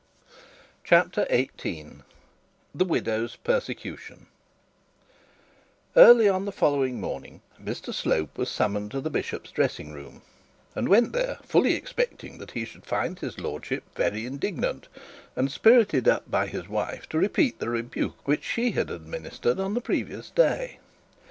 CHAPTER XVIII THE WIDOW'S PERSECUTION Early on the following morning, Mr Slope was summoned to the bishop's dressing room, and went there fully expecting that he should find his lordship very indignant, and spirited up by his wife to repeat the rebuke which she had administered on the previous day.